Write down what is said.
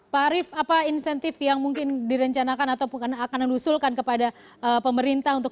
pak arief apa insentif yang mungkin direncanakan atau akan diusulkan kepada pemerintah untuk